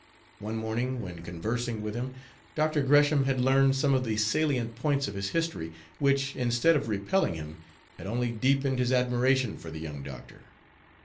One morning, when conversing with him, Dr. Gresham had learned some of the salient points of his history, which, instead of repelling him, had only deepened his admiration for the young doctor.